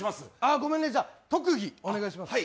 ごめんね、じゃあ、特技お願いします。